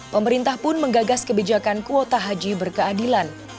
pemerintah pun menggagas kebijakan kuota haji berkeadilan